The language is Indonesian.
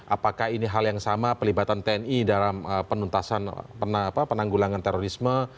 apakah ini hal yang sama pelibatan tni dalam penuntasan penanggulangan terorisme